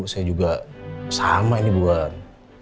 saya juga sama ini buat